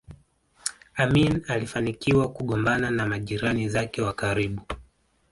Amin alifanikiwa kugombana na majirani zake wa karibu